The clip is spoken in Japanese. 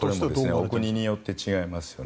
お国によって違いますよね。